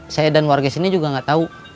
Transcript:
saya dan warga sini juga gak tau